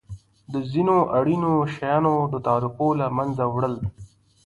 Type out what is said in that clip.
د ځینو اړینو شیانو د تعرفو له مینځه وړل.